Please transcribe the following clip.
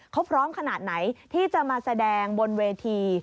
เขาพร้อมขนาดไหนที่จะมาแสดงบนเวที